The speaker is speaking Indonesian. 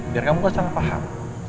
biar kamu gak sangat paham